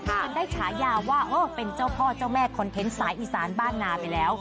จนได้ฉายาว่าเป็นเจ้าพ่อเจ้าแม่คอนเทนต์สายอีสานบ้านนาไปแล้ว